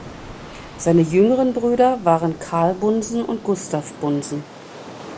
Seine jüngeren Brüder waren Karl Bunsen und Gustav Bunsen.